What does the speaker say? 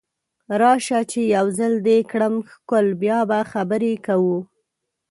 راشه چې یو ځل دې کړم ښکل بیا به خبرې کوو